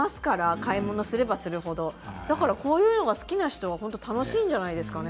買い物をすればするほどこういうのが好きな人は楽しいんじゃないですかね。